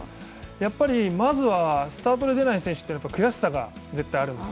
やはり、まずはスタートで出ない選手は悔しさがあるんです。